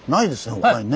他にね。